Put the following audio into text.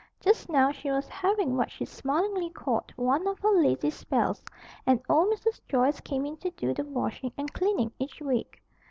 Just now she was having what she smilingly called "one of her lazy spells," and old Mrs. Joyce came in to do the washing and cleaning each week.